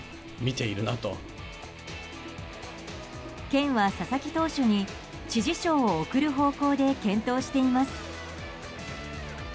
県は佐々木投手に知事賞を贈る方向で検討しています。